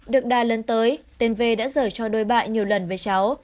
được đa lần tới tên v đã rời cho đôi bạn nhiều lần với cháu